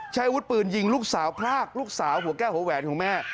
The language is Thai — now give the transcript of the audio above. อาวุธปืนยิงลูกสาวพรากลูกสาวหัวแก้วหัวแหวนของแม่